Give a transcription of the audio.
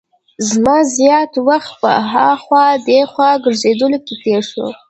زما زیات وخت په هاخوا دیخوا ګرځېدلو کې تېر شو.